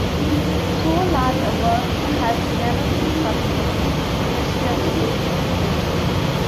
So large a work has never been published in the history of Swedish literature.